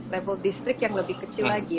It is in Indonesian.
level district yang lebih kecil lagi